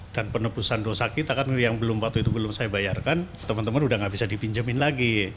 dan penebusan dosa kita kan yang waktu itu belum saya bayarkan teman teman sudah tidak bisa dipinjemin lagi